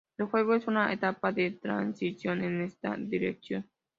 El juego es una etapa de transición en esta dirección.